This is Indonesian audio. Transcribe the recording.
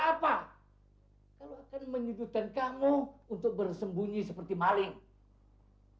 apa kamu pikir enak hidup sembunyi sembunyi seperti itu